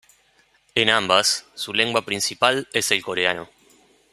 En ambas, su lengua principal es el coreano.